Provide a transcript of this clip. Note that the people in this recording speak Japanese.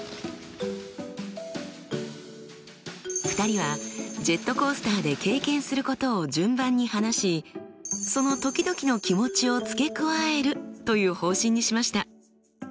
２人はジェットコースターで経験することを順番に話しその時々の気持ちを付け加えるという方針にしました。